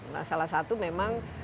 nah salah satu memang